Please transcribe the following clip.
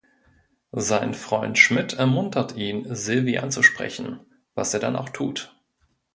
Sein Freund Schmidt ermuntert ihn, Sylvie anzusprechen, was er dann auch tut.